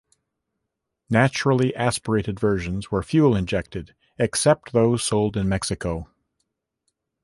Naturally aspirated versions were fuel injected, except those sold in Mexico.